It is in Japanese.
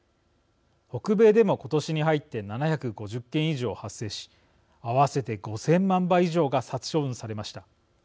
北米でも今年に入って７５０件以上発生し合わせて５０００万羽以上が殺処分されました。